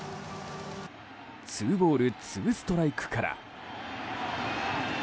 ツーボールツーストライクから。